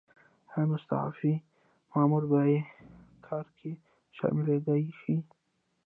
ایا مستعفي مامور بیا کار کې شاملیدای شي؟